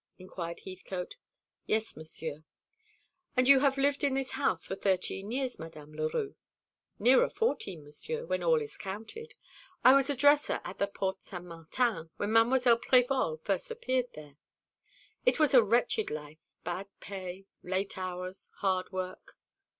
inquired Heathcote. "Yes, Monsieur." "And you have lived in this house for thirteen years, Madame Leroux?" "Nearer fourteen, Monsieur, when all is counted. I was a dresser at the Porte Saint Martin when Mademoiselle Prévol first appeared there. It was a wretched life bad pay, late hours, hard work.